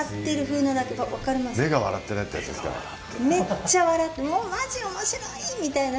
めっちゃもうマジ面白い！みたいな。